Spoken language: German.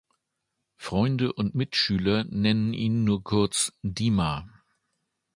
Freunde und Mitschüler nennen ihn nur kurz „Dima“.